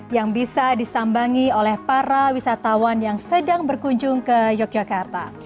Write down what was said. yang bisa disambangi oleh para wisatawan yang sedang berkunjung ke yogyakarta